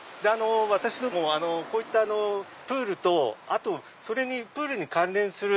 私どもこういったプールとあとプールに関連する